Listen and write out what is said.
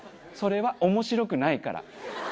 それは面白くないから。